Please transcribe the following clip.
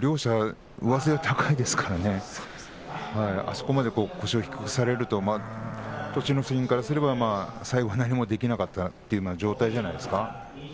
両者、上背が高いですから、あそこまで腰を低くされると栃ノ心からすれば最後何もできなかったという状態じゃないですか。